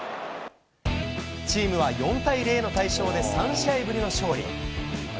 チームは４対０の大勝で３試合ぶりの勝利。